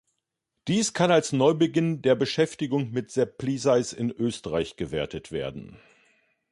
Dies kann als Neubeginn der Beschäftigung mit Sepp Plieseis in Österreich gewertet werden.